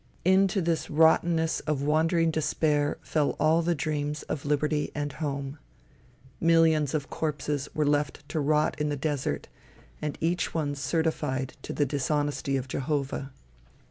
Into this rottenness of wandering despair fell all the dreams of liberty and home. Millions of corpses were left to rot in the desert, and each one certified to the dishonesty of Jehovah.